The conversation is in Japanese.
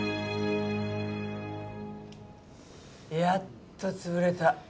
やっと潰れた。